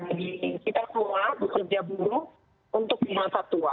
jadi kita semua bekerja buruh untuk kemahsa tua